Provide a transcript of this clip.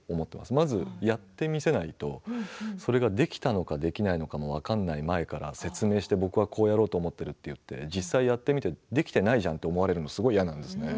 まず、やってみせないとそれができたとかできないのかも分からない前から説明して僕はこうやろうと思っていると言って実際やってみてできてないじゃんと思われるのがすごく嫌なんですね。